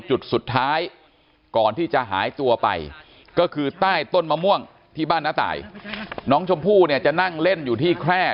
จุดสุดท้ายก่อนที่จะหายตัวไปก็คือใต้ต้นมะม่วงที่บ้านน้าตายน้องชมพู่เนี่ยจะนั่งเล่นอยู่ที่แคร่